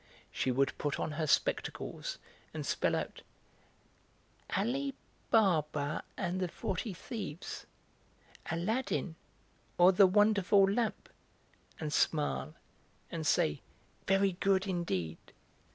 She would put on her spectacles and spell out: "Ali Baba and the Forty Thieves," "Aladdin, or the Wonderful Lamp," and smile, and say "Very good indeed."